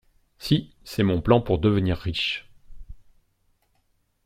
Si, c'est mon plan pour devenir riche.